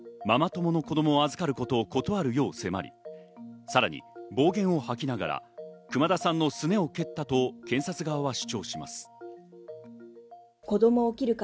そこで夫は、ママ友の子供を預かることを断るよう迫り、さらに暴言を吐きながら熊田さんのすねを蹴ったと検察側は主張します。